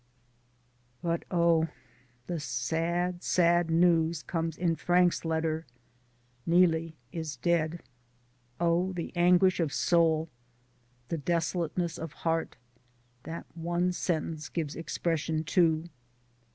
But oh, the sad, sad news comes in Frank's letter. Neelie is dead. Oh, the anguish of soul, the desolateness of heart. DAYS ON THE ROAD. 265 that one sentence gives expression to.